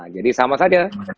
jadi sama saja